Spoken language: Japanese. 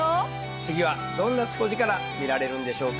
次はどんなスポヂカラ見られるんでしょうか。